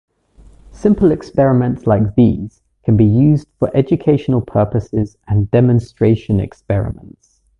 Simple experiments like these can be used for educational purposes and demonstration experiments.